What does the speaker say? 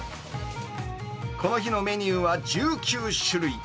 この日のメニューは１９種類。